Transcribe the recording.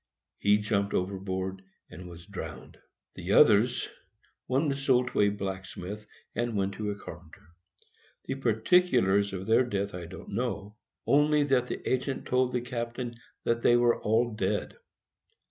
He jumped over, and was drowned. The others,—one was sold to a blacksmith, and one to a carpenter. The particulars of their death I didn't know, only that the agent told the captain that they were all dead.